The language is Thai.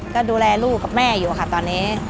ก็ดูแลลูกกับแม่อยู่ค่ะตอนนี้